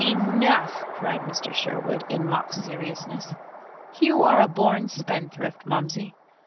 Enough!" cried Mr. Sherwood, in mock seriousness. "You are a born spendthrift, Momsey.